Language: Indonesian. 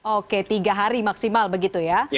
oke tiga hari maksimal begitu ya